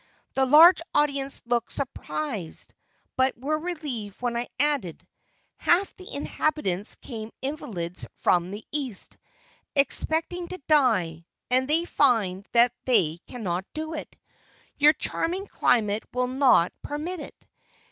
The large audience looked surprised, but were relieved when I added, "half the inhabitants came invalids from the East, expecting to die, and they find they cannot do it. Your charming climate will not permit it!"